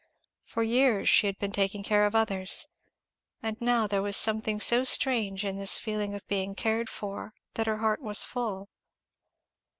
For years she had been taking care of others; and now there was something so strange in this feeling of being cared for, that her heart was full.